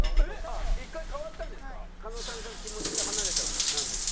狩野さんから気持ちが離れたのはなんでなんですか？